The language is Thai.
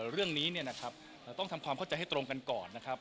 เรื่องนี้เนี่ยนะครับเราต้องทำความเข้าใจให้ตรงกันก่อนนะครับ